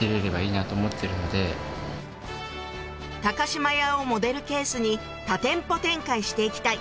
島屋をモデルケースに多店舗展開して行きたい！